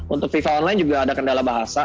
untuk fifa online juga ada kendala bahasa